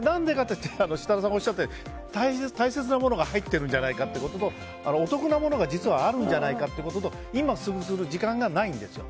設楽さんがおっしゃったように大切なものが入っているんじゃないかということとお得なものが、実はあるんじゃないかということと今、それをやる時間がないんですよ。